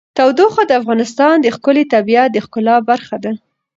تودوخه د افغانستان د ښکلي طبیعت د ښکلا برخه ده.